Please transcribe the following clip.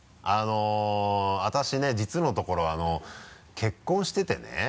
あの私ね実のところ結婚しててね。